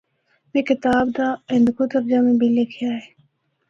میں کتاب دا ہندکو ترجمے بچ لکھیا ہے۔